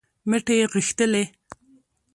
مټې یې غښتلې